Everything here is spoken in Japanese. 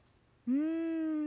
うん。